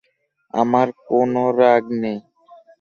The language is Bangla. আমার কোন রোগ নেই।